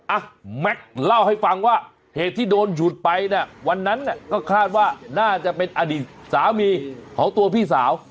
อ่ะแม็กซ์เล่าให้ฟังว่าเหตุที่โดนฉุดไปน่ะวันนั้นก็คาดว่าน่าจะเป็นอดีตสามีของตัวพี่สาว